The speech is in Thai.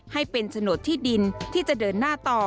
ให้เป็นโฉนดที่ดินที่จะเดินหน้าต่อ